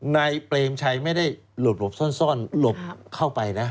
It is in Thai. เปรมชัยไม่ได้หลบซ่อนหลบเข้าไปนะ